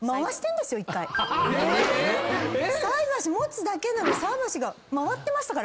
⁉菜箸持つだけなのに菜箸が回ってましたから。